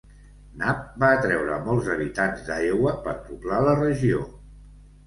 Knapp va atreure molts habitants d'Iowa per poblar la regió.